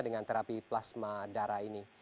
dengan terapi plasma darah ini